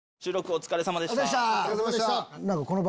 お疲れさまでした。